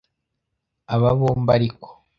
Aba bombi ariko